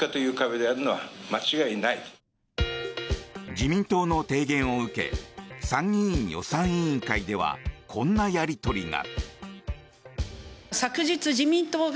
自民党の提言を受け参議院予算委員会ではこんなやり取りが。